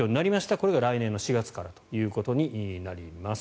これが来年の４月からということになります。